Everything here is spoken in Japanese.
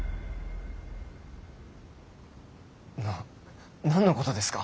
な何のことですか。